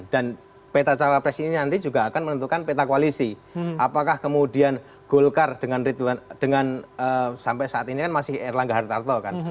dan peta cawapres ini nanti juga akan menentukan peta koalisi apakah kemudian golkar dengan ridwan dengan sampai saat ini kan masih erlangga hartarto kan